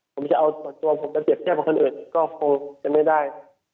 ผมจะเอาตัวมาเต็มแพทย์ของคนอื่นก็คงจะไม่ได้